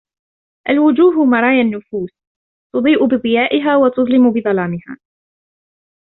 الوجوه مرايا النفوس، تضيء بضيائها وتظلم بظلامها